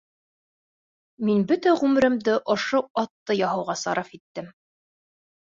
Мин бөтә ғүмеремде ошо атты яһауға сарыф иттем.